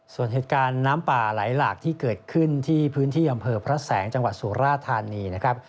ส่วนเหตุการณ์น้ำป่าไหลหลากที่เกิดขึ้นที่พื้นที่อำเภอพระแสงจังหวัดสุราธานีนะครับ